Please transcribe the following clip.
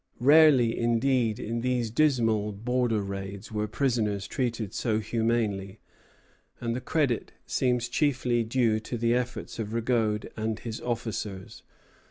Rarely, indeed, in these dismal border raids were prisoners treated so humanely; and the credit seems chiefly due to the efforts of Rigaud and his officers.